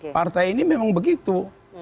partai ini memang begitu